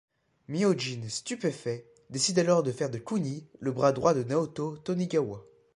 Myojin, stupéfait, décide alors de faire de Kuni le bras droit de Naoto Tonigawa.